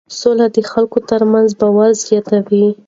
سوله د خلکو ترمنځ باور زیاتوي.